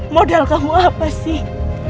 modal kamu apa sih